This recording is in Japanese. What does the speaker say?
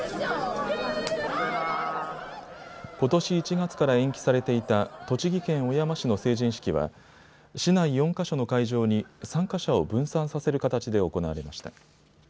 ことし１月から延期されていた栃木県小山市の成人式は市内４か所の会場に参加者を分散させる形で行われました。